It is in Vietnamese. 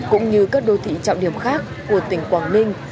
cũng như các đô thị trọng điểm khác của tỉnh quảng ninh